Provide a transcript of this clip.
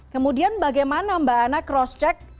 kemudian bagaimana mbak anna cross check